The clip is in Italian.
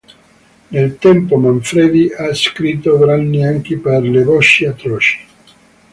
Nel tempo Manfredi ha scritto brani anche per Le Voci Atroci.